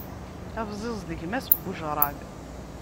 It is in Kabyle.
Abẓiz d gma-s n wejraḍ.